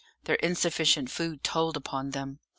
Their insufficient food told upon them.